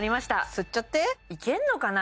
吸っちゃっていけんのかな